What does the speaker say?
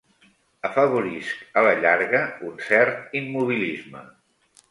Afavorisc a la llarga un cert immobilisme.